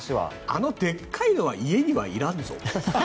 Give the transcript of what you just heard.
あのでっかいのは家にはいらんぞ。